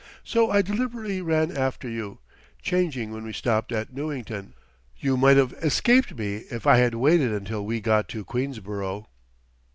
So I deliberately ran after you, changing when we stopped at Newington. You might've escaped me if I had waited until We got to Queensborough."